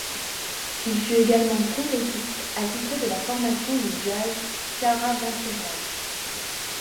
Il fut également trompettiste attitré de la formation de jazz Caravanserail.